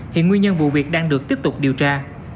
hiện nguyên nhân vụ việc đang được tiếp tục điều tra